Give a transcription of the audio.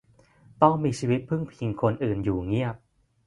ต้องมีชีวิตพึ่งพิงคนอื่นอยู่เงียบ